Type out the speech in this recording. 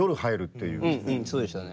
そうでしたね。